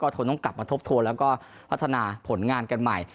ทนต้องกลับมาทบทวนแล้วก็พัฒนาผลงานกันใหม่